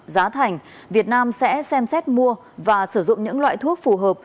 giá thành việt nam sẽ xem xét mua và sử dụng những loại thuốc phù hợp